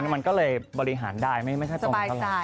มันก็เลยบริหารได้ไม่ใช่ตรงนั้น